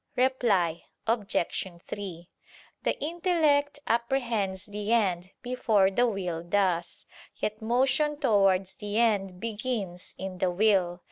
Reply Obj. 3: The intellect apprehends the end before the will does: yet motion towards the end begins in the will.